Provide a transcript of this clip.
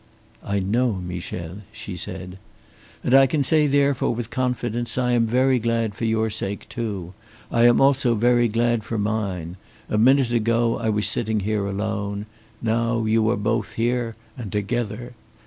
"I know, Michel," she said. "And I can say therefore with confidence I am very glad for your sake too. I am also very glad for mine. A minute ago I was sitting here alone now you are both here and together.